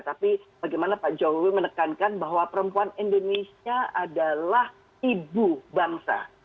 tapi bagaimana pak jokowi menekankan bahwa perempuan indonesia adalah ibu bangsa